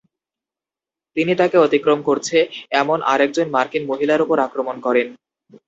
তিনি তাকে অতিক্রম করছে এমন আরেকজন মার্কিন মহিলার উপর আক্রমণ করেন।